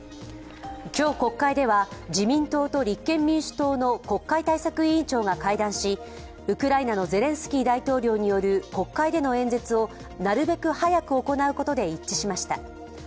今日、国会では自民党と立憲民主党の国会対策委員長が会談しウクライナのゼレンスキー大統領による国会での演説をなるべく早く行うことで一致しました。